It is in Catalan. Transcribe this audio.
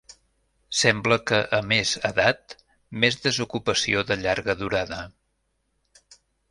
Sembla que a més edat, més desocupació de llarga durada.